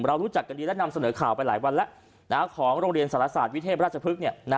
รู้จักกันดีและนำเสนอข่าวไปหลายวันแล้วของโรงเรียนสารศาสตร์วิเทพราชพฤกษ์